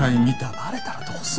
バレたらどうするんだよ！